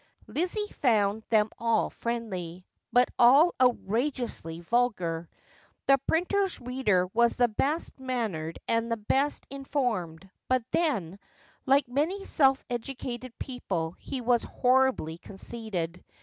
Lizzie found them all friendly, but all outrageously vulgar. The printer's reader was the best mannered and the best informed ; but then, like many self educated people, he was horribly conceited.